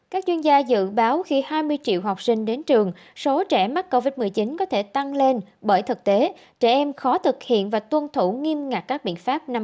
các chuyên gia dự báo khi hai mươi triệu học sinh đến trường số trẻ mắc covid một mươi chín có thể tăng lên bởi thực tế trẻ em khó thực hiện và tuân thủ nghiêm ngặt các biện pháp năm hai nghìn hai mươi